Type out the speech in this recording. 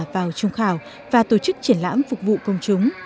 vào trung khảo và tổ chức triển lãm phục vụ công chúng